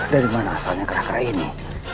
dari mana asalnya kerah kerah ini